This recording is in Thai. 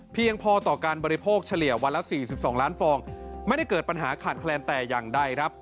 เพียงพอต่อการบริโภคเฉลี่ยวันละ๔๒ล้านฟองไม่ได้เกิดปัญหาขาดแคลนแต่อย่างใดครับ